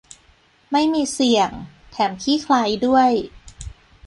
ไม่มีเสี่ยง แถมขี้ไคลด้วย